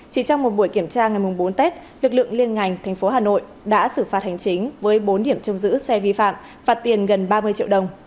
chỉ trong một buổi kiểm tra ngày bốn tết lực lượng liên ngành tp hà nội đã xử phạt hành chính với bốn điểm trông giữ xe vi phạm phạt tiền gần ba mươi triệu đồng